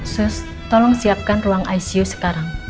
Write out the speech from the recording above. sus tolong siapkan ruang icu sekarang